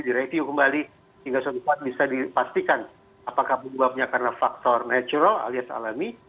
direview kembali hingga suatu saat bisa dipastikan apakah penyebabnya karena faktor natural alias alami